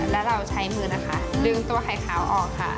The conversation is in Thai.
แล้วเราใช้มือนะคะดึงตัวไข่ขาวออกค่ะ